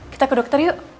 kita ke dokter yuk